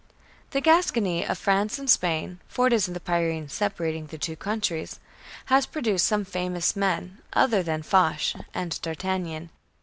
The Gascony of France and Spain for it is in the Pyrenees separating the two countries has produced some famous men, other than Foch and D'Artagnan.